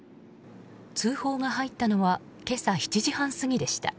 通報が入ったのは今朝７時半過ぎでした。